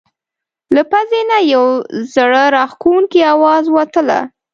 له پزې نه یو زړه راښکونکی اواز وتله.